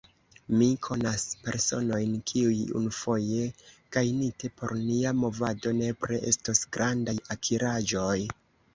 Mi konas personojn, kiuj, unufoje gajnite por nia movado, nepre estos grandaj akiraĵoj.